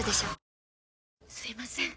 すいません